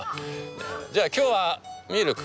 じゃあ今日はミルク。